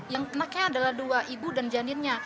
yang kenanya adalah dua ibu dan janinnya